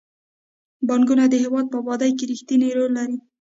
بانکونه د هیواد په ابادۍ کې رښتینی رول لري.